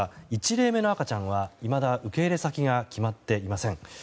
１例目の赤ちゃんはいまだ受け入れ先が決まっていません。